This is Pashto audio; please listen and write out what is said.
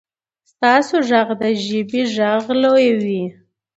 ستاسو غږ د ژبې غږ لویوي.